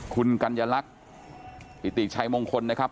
คุณกัญลักษณ์ปิติชัยมงคลนะครับ